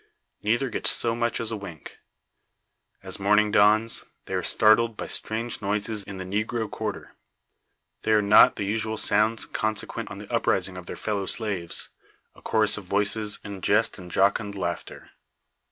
Neither gets so much as a wink. As morning dawns, they are startled by strange noises in the negro quarter. These are not the usual sounds consequent on the uprising of their fellow slaves a chorus of voices, in jest and jocund laughter.